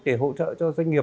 để hỗ trợ cho doanh nghiệp